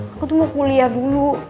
aku tuh mau kuliah dulu